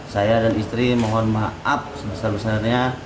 saya dan istri mohon maaf sebesar besarnya